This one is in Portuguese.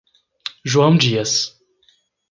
João Dias